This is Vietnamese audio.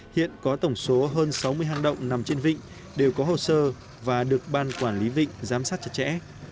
hiện có tổng số hơn sáu mươi hang động nằm trên vịnh đều có hồ sơ và được ban quản lý vịnh giám sát chặt chẽ